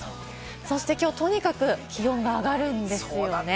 そしてきょう、とにかく気温が上がるんです。